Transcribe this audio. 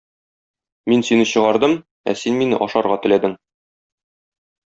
Мин сине чыгардым, ә син мине ашарга теләдең.